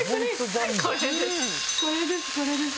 これです。